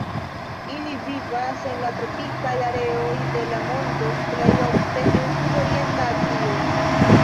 Ili vivas en la tropikaj areoj de la mondo, plej ofte en sudorienta Azio.